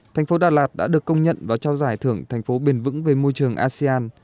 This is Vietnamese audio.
thành phố đà lạt đã được công nhận và trao giải thưởng thành phố bền vững về môi trường asean